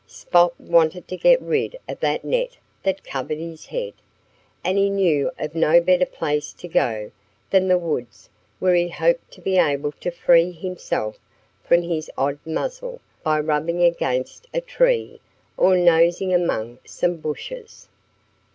Spot wanted to get rid of that net that covered his head. And he knew of no better place to go than the woods where he hoped to be able to free himself from his odd muzzle by rubbing against a tree or nosing among some bushes.